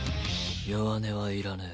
弱音はいらねえ。